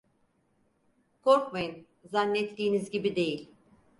Korkmayın, zannettiğiniz gibi değil.